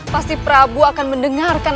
pasti prabu akan mendengarkan